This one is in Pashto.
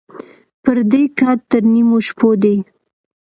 پردى کټ تر نيمو شپو دى.